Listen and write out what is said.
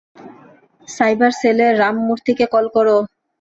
Cyber সেলে রামমূর্তিকে call কর।